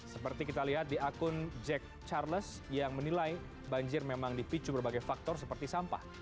seperti kita lihat di akun jack charles yang menilai banjir memang dipicu berbagai faktor seperti sampah